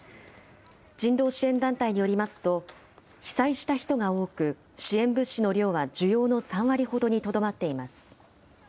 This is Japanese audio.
人道支援団体によりますと、被災した人が多く、支援物資の量は需要の３割ほどにとどまっています。